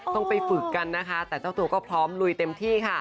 ต้องไปฝึกกันแต่เจ้าตัวก็พร้อมรุยเต็มที่